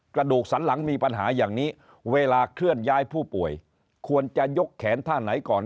กระดูกสันหลังมีปัญหาอย่างนี้เวลาเคลื่อนย้ายผู้ป่วยควรจะยกแขนท่าไหนก่อน